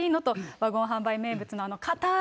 ワゴン販売名物のあのかたー